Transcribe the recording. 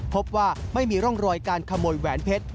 พบว่าไม่มีร่องรอยการขโมยแหวนเพชร